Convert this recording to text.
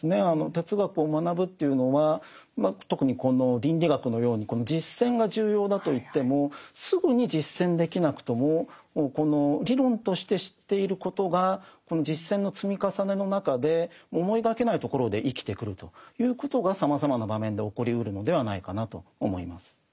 哲学を学ぶというのは特にこの倫理学のように実践が重要だといってもすぐに実践できなくともこの理論として知っていることがこの実践の積み重ねの中で思いがけないところで生きてくるということがさまざまな場面で起こりうるのではないかなと思います。